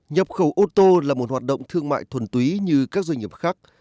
nhập khẩu ô tô là một hoạt động thương mại thuần túy như các doanh nghiệp khác